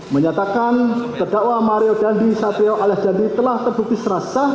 menyatakan terdakwa mario dandi satrio alasdandi telah terbukti serasa